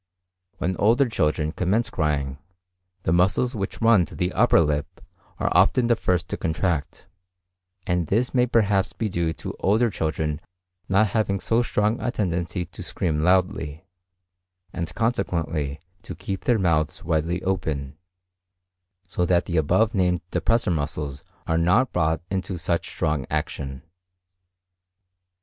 When older children commence crying, the muscles which run to the upper lip are often the first to contract; and this may perhaps be due to older children not having so strong a tendency to scream loudly, and consequently to keep their mouths widely open; so that the above named depressor muscles are not brought into such strong action.